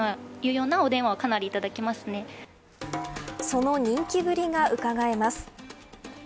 その人気ぶりがうかがえます。